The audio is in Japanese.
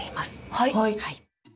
はい。